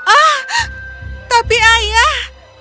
ah tapi ayah